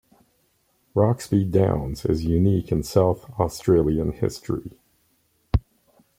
Roxby Downs is unique in South Australian history.